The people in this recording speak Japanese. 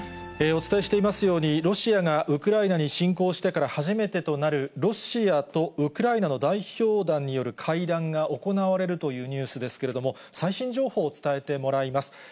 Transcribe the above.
お伝えしていますように、ロシアがウクライナに侵攻してから初めてとなる、ロシアとウクライナの代表団による会談が行われるというニュースですけれども、最新情報を伝えてもらいます。